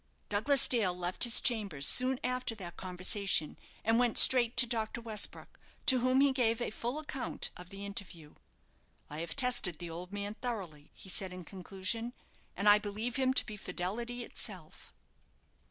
Douglas Dale left his chambers soon after that conversation, and went straight to Dr. Westbrook, to whom he gave a fall account of the interview. "I have tested the old man thoroughly," he said, in conclusion; "and I believe him to be fidelity itself."